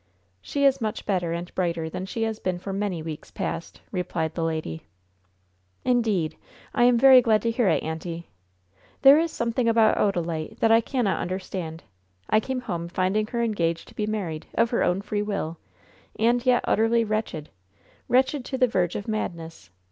"She is much better and brighter than she has been for many weeks past," replied the lady. "Indeed! I am very glad to hear it, auntie! There is something about Odalite that I cannot understand. I came home finding her engaged to be married, of her own free will, and yet utterly wretched wretched to the verge of madness!